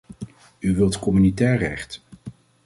U wilt communautair recht.